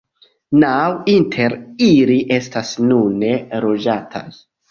Naŭ inter ili estas nune loĝataj.